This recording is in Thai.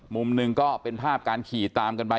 มุมหนึ่งก็เป็นภาพการขี่ตามกันไป